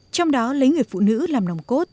trong đó lấy người phụ nữ làm nồng cốt